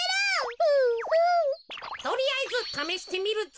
とりあえずためしてみるぞ。